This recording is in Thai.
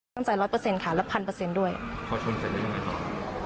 ตั้งใจร้อยเปอร์เซ็นค่ะแล้วพันเปอร์เซ็นต์ด้วยพอชนเสร็จได้ยังไงครับ